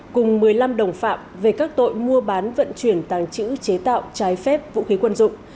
cùng một mươi năm đồng phạm về các tội mua bán vận chuyển tàng trữ chế tạo trái phép vũ khí quân dụng